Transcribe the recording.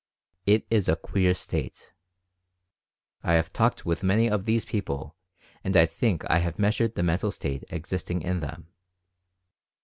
It is a queer state. I have talked with many of these people and think that I have meas ured the mental state existing in them.